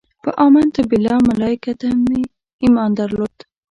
په امنت بالله ملایکته مې ایمان درلود.